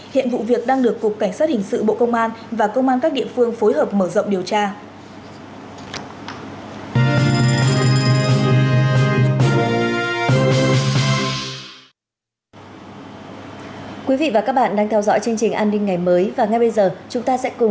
hiện vụ việc đang được cục cảnh sát hình sự bộ công an và công an các địa phương phối hợp mở rộng điều tra